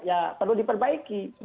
ya perlu diperbaiki